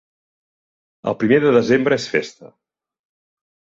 El primer de desembre és festa.